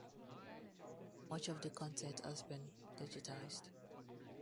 Much of the content has been digitized.